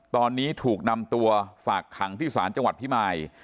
ตอนนี้ถูกนำตัวฝากขังที่ศาลจังหวัดพิมาย